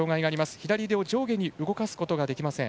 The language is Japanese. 左腕を上下に動かすことができません。